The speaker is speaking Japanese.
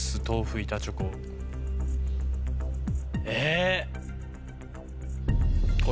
え。